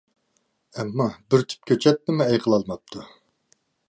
ئەمما بىر تۈپ كۆچەتنىمۇ ئەي قىلالماپتۇ.